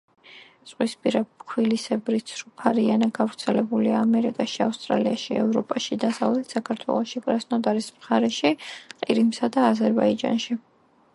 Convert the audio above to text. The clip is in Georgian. ზღვისპირა ფქვილისებრი ცრუფარიანა გავრცელებულია ამერიკაში, ავსტრალიაში, ევროპაში, დასავლეთ საქართველოში, კრასნოდარის მხარეში, ყირიმსა და აზერბაიჯანში.